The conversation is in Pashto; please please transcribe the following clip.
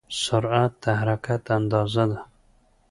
سرعت د حرکت اندازه ده.